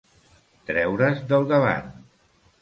Treure's del davant.